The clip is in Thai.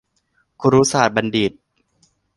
คุรุศาสตรบัณฑิต